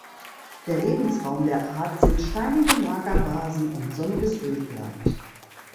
Der Lebensraum der Art sind steinige Magerrasen und sonniges Ödland.